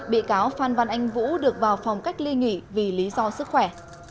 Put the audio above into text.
bị cáo phan văn anh vũ được vào phòng cách ly nghỉ vì lý do sức khỏe